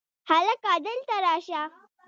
هلکه! دلته راشه!